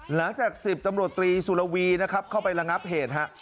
หลังจาก๑๐ตำรวจตีศูอลาวีเข้าไปลงับเหตุ